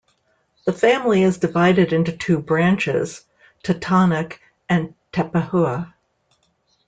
The family is divided into two branches, Totonac and Tepehua.